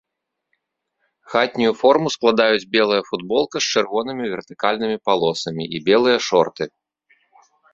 Хатнюю форму складаюць белая футболка з чырвонымі вертыкальнымі палосамі і белыя шорты.